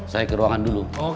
saya ke ruangan dulu